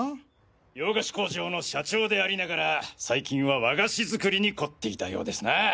洋菓子工場の社長でありながら最近は和菓子作りに凝っていたようですなぁ。